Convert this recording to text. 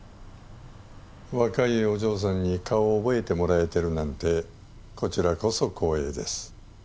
若いお嬢さんに顔を覚えてもらえてるなんてこちらこそ光栄です。